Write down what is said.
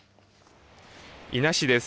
伊那市です。